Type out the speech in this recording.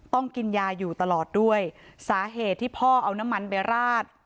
ต้องกินยาอยู่ตลอดด้วยสาเหตุที่พ่อเอาน้ำมันไปราด